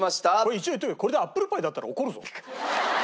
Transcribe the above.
一応言っておくけどこれでアップルパイだったら怒るぞ。